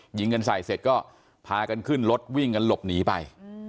ยิงกันใส่เสร็จก็พากันขึ้นรถวิ่งกันหลบหนีไป